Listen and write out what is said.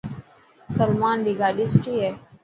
سلمان ري گاڏي سٺي هي.